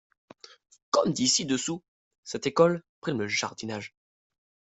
Comme dit ci-dessus, cette école prime le jardinage.